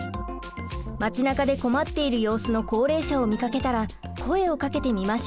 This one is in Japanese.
街なかで困っている様子の高齢者を見かけたら声をかけてみましょう。